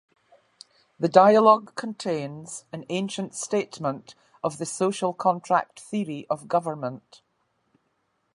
The dialogue contains an ancient statement of the social contract theory of government.